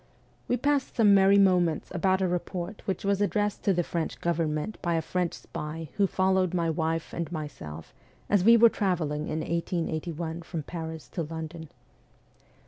We passed some merry moments about a report which was addressed to the French government by a French spy who followed my wife and myself as we were travelling in 1881 from Paris to London.